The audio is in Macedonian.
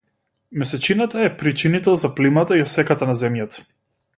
Месечината е причинител за плимата и осеката на Земјата.